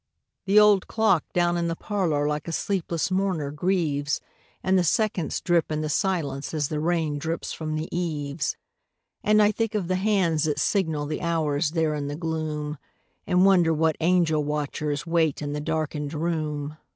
The old clock down in the parlor Like a sleepless mourner grieves, And the seconds drip in the silence As the rain drips from the eaves. And I think of the hands that signal The hours there in the gloom, And wonder what angel watchers Wait in the darkened room.